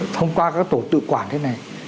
thông qua các tổ tự quản thế này